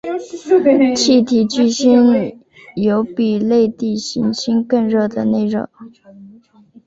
气体巨星有比类地行星更多的内热。